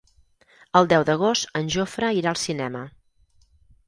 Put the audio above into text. El deu d'agost en Jofre irà al cinema.